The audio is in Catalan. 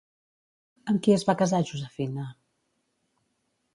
Amb qui es va casar Josefina?